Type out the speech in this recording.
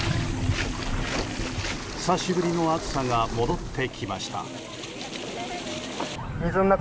久しぶりの暑さが戻ってきました。